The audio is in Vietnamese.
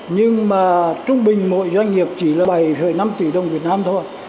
nhưng mà trung bình mỗi doanh nghiệp chỉ là bảy năm tỷ đồng việt nam thôi